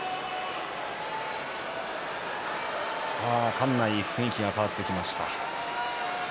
館内の雰囲気が変わってきました。